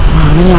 ma lu dimana